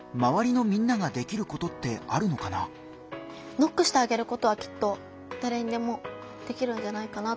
ノックしてあげることはきっとだれにでもできるんじゃないかなって。